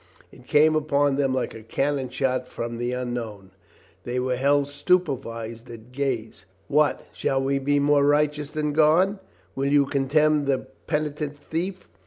It came upon them like a cannon shot from the unknown. They were held stupefied at gaze. "What, shall we be more righteous than God? Will you condemn the penitent thief?